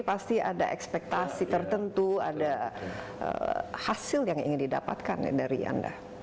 pasti ada ekspektasi tertentu ada hasil yang ingin didapatkan dari anda